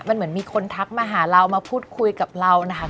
มันเหมือนมีคนทักมาหาเรามาพูดคุยกับเรานะคะ